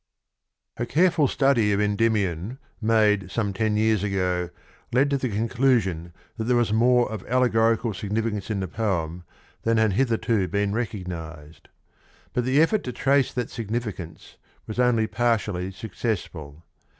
A careful study of Endymion made some ten years ago led to the conclusion that there was more of allegorical significance in the poem than had hitherto been recognised, but the effort to trace that significance was only partially successful.